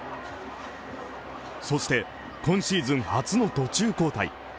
そして、今シーズン初の途中交代。